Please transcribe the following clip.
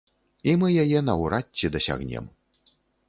І мы яе наўрад ці дасягнем.